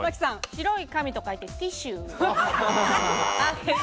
白い紙と書いて、ティシュー。